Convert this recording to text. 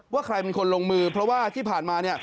ว่าใครเป็นคนลงมือเพราะว่าที่ผ่านมา